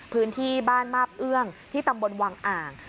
พื้นที่บ้านมาบเอื้องที่ตำบลวังอ่าง